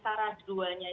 maka kita lupa dalam hal ini